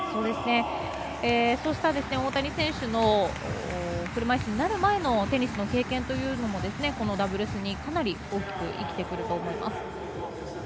そうした大谷選手の車いすになる前のテニスの経験というのもダブルスにかなり生きてくると思います。